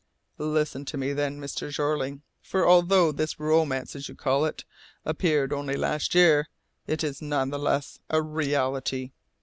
"Listen to me, then, Mr. Jeorling, for although this 'romance' as you call it appeared only last year, it is none the less a reality.